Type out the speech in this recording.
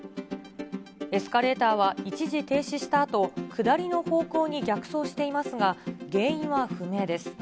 エスカレーターは一時停止したあと、下りの方向に逆走していますが原因は不明です。